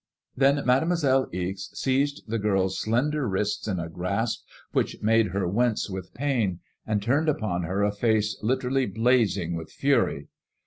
Then Mademoiselle Ixe seised the girl's slender wrists in a grasp which made her wince with pain, and turned upon her a face liter ally blazing with fury.